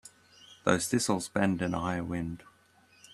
Those thistles bend in a high wind.